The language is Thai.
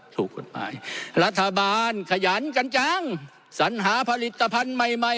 ถูกกฎหมายรัฐบาลขยันกันจังสัญหาผลิตภัณฑ์ใหม่ใหม่